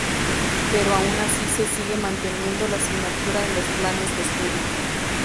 Pero aun así se sigue manteniendo la asignatura en los planes de estudio.